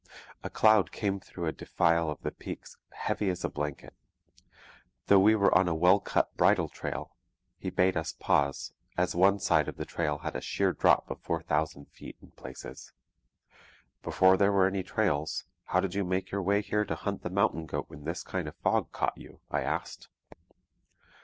A cloud came through a defile of the peaks heavy as a blanket. Though we were on a well cut bridle trail, he bade us pause, as one side of the trail had a sheer drop of four thousand feet in places. 'Before there were any trails, how did you make your way here to hunt the mountain goat when this kind of fog caught you?' I asked.